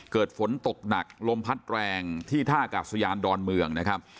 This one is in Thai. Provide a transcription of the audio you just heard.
เกิดฝนตกหนักลมพัดแรงที่ท่ากับสยานดอนเมือง